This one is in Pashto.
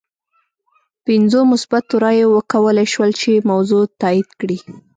پنځو مثبتو رایو وکولای شول چې موضوع تایید کړي.